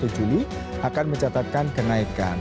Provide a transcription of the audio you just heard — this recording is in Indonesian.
satu juli akan mencatatkan kenaikan